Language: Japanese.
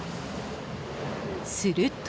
すると。